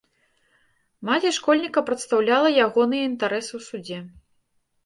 Маці школьніка прадстаўляла ягоныя інтарэсы ў судзе.